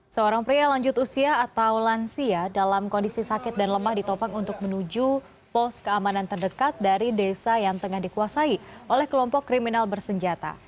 seorang pria lanjut usia atau lansia dalam kondisi sakit dan lemah ditopang untuk menuju pos keamanan terdekat dari desa yang tengah dikuasai oleh kelompok kriminal bersenjata